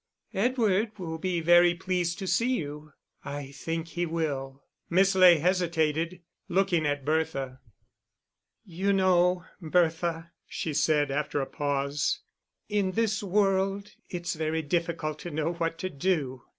"Edward will be very pleased to see you." "I think he will." Miss Ley hesitated, looking at Bertha. "You know, Bertha," she said, after a pause, "in this world it's very difficult to know what to do.